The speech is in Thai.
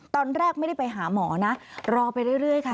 ตอนแรกไม่ได้ไปหาหมอนะรอไปเรื่อยค่ะ